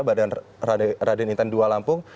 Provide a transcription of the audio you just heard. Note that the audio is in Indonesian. bandara raden inten dua lampung